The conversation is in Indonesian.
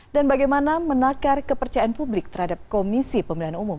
dan bagaimana menakar kepercayaan publik terhadap komisi pemilihan umum